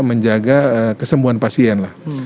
menjaga kesembuhan pasien lah